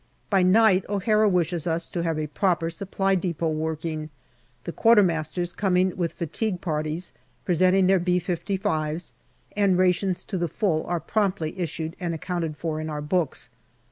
By night O'Hara wishes us to have a proper Supply depot working, the Quartermasters coming with fatigue parties, presenting their B 55*5, and rations to the full are promptly issued and accounted for in our books.